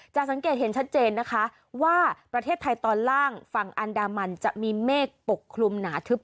สังเกตเห็นชัดเจนนะคะว่าประเทศไทยตอนล่างฝั่งอันดามันจะมีเมฆปกคลุมหนาทึบ